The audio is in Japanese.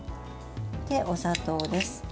お砂糖です。